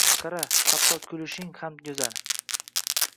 Qara xatto kutilishing ham go’zal